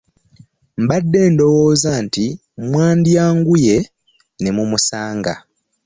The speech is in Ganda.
Mbadde ndowooza nti mwandyanguye ne mumusanga.